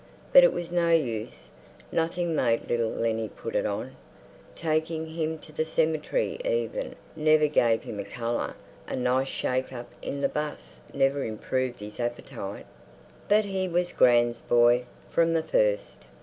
But it was no use. Nothing made little Lennie put it on. Taking him to the cemetery, even, never gave him a colour; a nice shake up in the bus never improved his appetite. But he was gran's boy from the first....